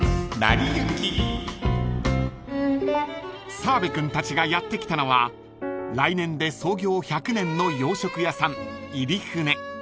［澤部君たちがやって来たのは来年で創業１００年の洋食屋さん入舟］